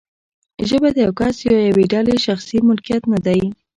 ژبه د یو کس یا یوې ډلې شخصي ملکیت نه دی.